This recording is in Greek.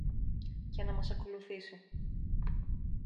και να μας ακολουθήσει.